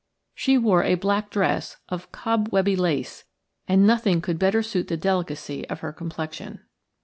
She wore a black dress of cobwebby lace, and nothing could better suit the delicacy of her complexion.